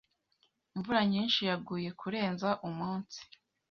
Imvura nyinshi yaguye kurenza umunsi.